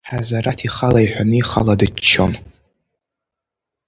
Ҳазараҭ ихала иҳәаны, ихала дыччон.